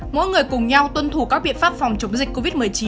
mỗi người cùng nhau tuân thủ các biện pháp phòng chống dịch covid một mươi chín